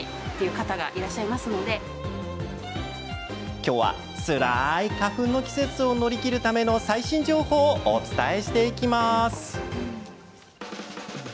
今日はつらい花粉の季節を乗り切るための最新情報をお伝えしていきます。